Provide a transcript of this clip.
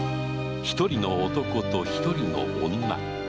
一人の男と一人の女